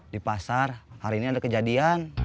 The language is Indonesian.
di pasar hari ini ada kejadian